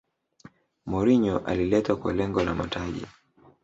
mourinho aliletwa kwa lengo la mataji